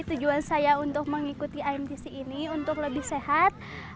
tujuan saya untuk mengikuti imtc ini untuk lebih sehat